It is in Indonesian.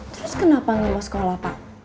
terus kenapa gak mau sekolah pak